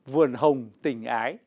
vườn hồng tình ái